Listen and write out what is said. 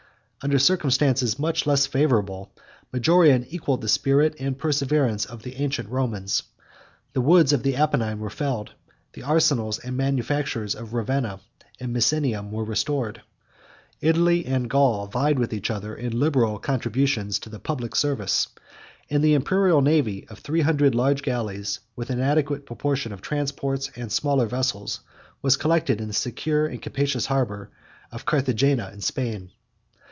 48 Under circumstances much less favorable, Majorian equalled the spirit and perseverance of the ancient Romans. The woods of the Apennine were felled; the arsenals and manufactures of Ravenna and Misenum were restored; Italy and Gaul vied with each other in liberal contributions to the public service; and the Imperial navy of three hundred large galleys, with an adequate proportion of transports and smaller vessels, was collected in the secure and capacious harbor of Carthagena in Spain.